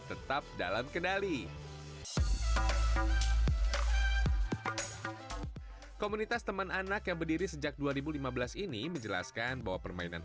tetap dalam kendali komunitas teman anak yang berdiri sejak dua ribu lima belas ini menjelaskan bahwa permainan